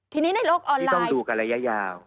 ทีนี้ในโลกออนไลน์ต้องดูกันระยะยาว